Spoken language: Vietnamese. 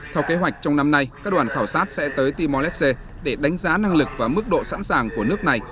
theo kế hoạch trong năm nay các đoàn khảo sát sẽ tới timor leste để đánh giá năng lực và mức độ sẵn sàng của nước này